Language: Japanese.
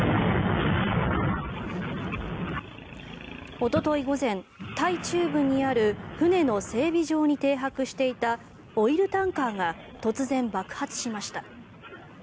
おととい午前タイ中部にある船の整備場に停泊していたオイルタンカーが突然、爆発しました。